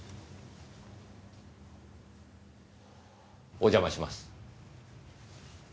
お邪魔します。